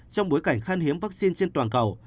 trong bối cảnh khan hiếm vaccine trên toàn cầu